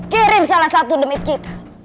kirim salah satu demit kita